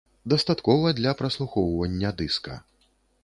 Дастаткова для праслухоўвання дыска.